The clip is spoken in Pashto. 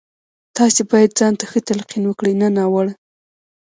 تاسې بايد ځان ته ښه تلقين وکړئ نه ناوړه.